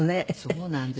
そうなんですよ。